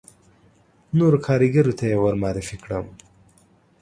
نورو کاریګرو ته یې ور معرفي کړم.